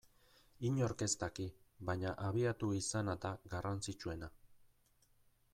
Inork ez daki, baina abiatu izana da garrantzitsuena.